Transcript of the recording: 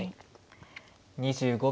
２５秒。